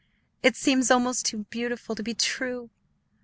It seems almost too beautiful to be true."